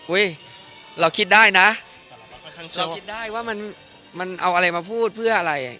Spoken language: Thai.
เราคิดได้นะเราคิดได้ว่ามันเอาอะไรมาพูดเพื่ออะไร